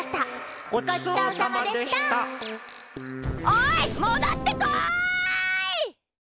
おいもどってこい！